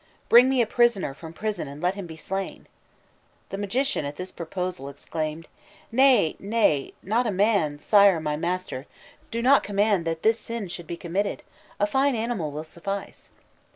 "Bring me a prisoner from prison and let him be slain." The magician, at this proposal, exclaimed: "Nay, nay, not a man, sire my master; do not command that this sin should be committed; a fine animal will suffice!"